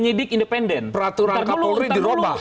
itu peraturan kapolri dirobah